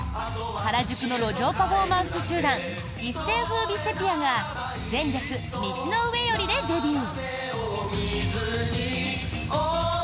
原宿の路上パフォーマンス集団一世風靡セピアが「前略、道の上より」でデビュー。